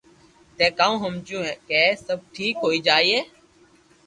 ٿي ڪاوُ ھمجيو ڪي سب ٺيڪ ھوئي جائي